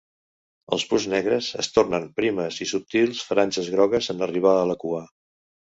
Els punts negres es tornen primes i subtils franges grogues en arribar a la cua.